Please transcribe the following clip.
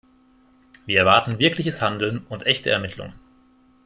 Wir erwarten wirkliches Handeln und echte Ermittlungen.